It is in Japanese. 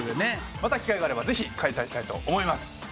また機会があればぜひ開催したいと思います。